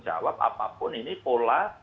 jawab apapun ini pola